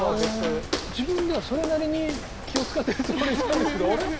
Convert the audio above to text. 自分ではそれなりに気を遣ってるつもりなんですけどあれ？